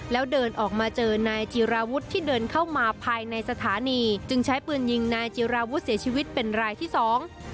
แล้วเดินออกมาเจอนายจิราวุฒิที่เดินเข้ามาภายในสถานีจึงใช้ปืนยิงนายจิราวุฒิเสียชีวิตเป็นรายที่สอง